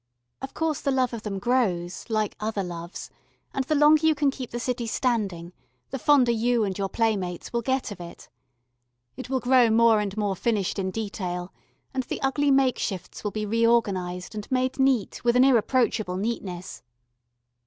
Of course the love of them grows, like other loves, and the longer you can keep the city standing, the fonder you and your playmates will get of it. It will grow more and more finished in detail, and the ugly make shifts will be reorganised and made neat with an irreproachable neatness.